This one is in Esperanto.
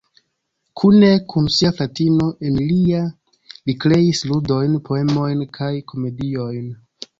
Kune kun sia fratino, Emilia, li kreis ludojn, poemojn kaj komediojn.